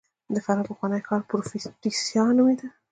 د فراه پخوانی ښار پروفتاسیا نومېده